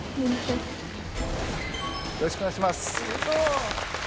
よろしくお願いします。